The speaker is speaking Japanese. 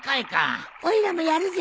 おいらもやるじょ。